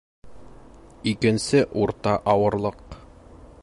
Икенсе урта ауырлыҡ